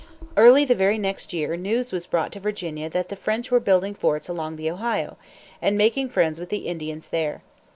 Early the very next year news was brought to Virginia that the French were building forts along the Ohio, and making friends with the Indians there.